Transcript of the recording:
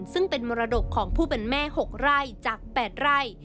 ซึ่งเป็นมรดกของผู้เป็นแม่๖ไร่จาก๘ไร่